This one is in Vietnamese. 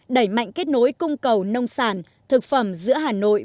đẩy mạnh kết nối cung cầu nông sản thực phẩm giữa hà nội